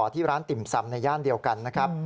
ที่ร้านติ่มซำในย่านเดียวกันนะครับ